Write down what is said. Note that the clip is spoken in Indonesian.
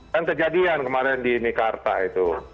kan kejadian kemarin di mekarta itu